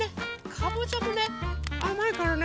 かぼちゃもねあまいからね。